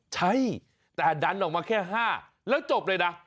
ใช่แต่ดันออกมาแค่๕แล้วจบเลยนะ